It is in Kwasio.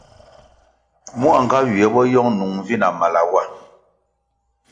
Mua nga nywie bo yong nung vi na mala wa.